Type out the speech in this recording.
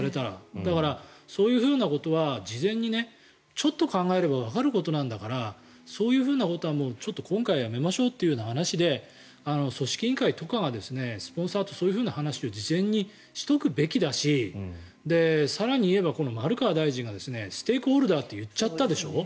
だから、そういうふうなことは事前にちょっと考えればわかることなんだからそういうことは今回やめましょうという話で組織委員会とかがスポンサーとそういう話を事前にしとくべきだし更に言えば、この丸川大臣がステークホルダーと言っちゃったでしょ？